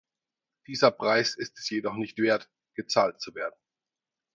Dieser Preis ist es jedoch nicht wert, gezahlt zu werden.